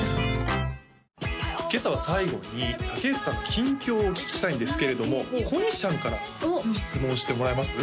今朝は最後に竹内さんの近況をお聞きしたいんですけれどもこにしゃんから質問してもらえます？